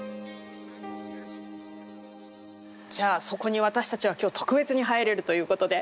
じゃあそこに私たちは今日特別に入れるということで。